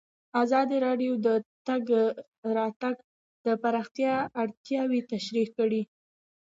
ازادي راډیو د د تګ راتګ ازادي د پراختیا اړتیاوې تشریح کړي.